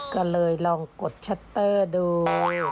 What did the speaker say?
ก็เลยลองกดชัตเตอร์ดู